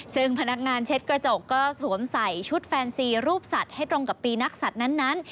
ซึ่งพนักงานเช็ดกระจกก็สวมใส่ชุดแฟนซีรูปสัตว์ให้ตรงกับปีนักสัตว์นั้น